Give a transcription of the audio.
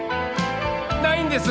ないんです！